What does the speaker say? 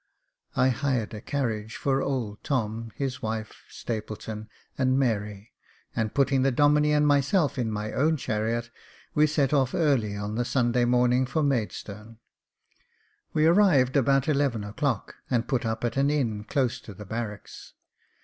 I hired a carriage for old Tom, his wife, Stapleton, and Mary, and putting 414 Jacob Faithful the Domine and myself in my own chariot, we set off early on the Sunday morning for Maidstone. We arrived about eleven o'clock, and put up at an inn close to the barracks.